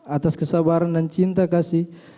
atas kesabaran dan cinta kasih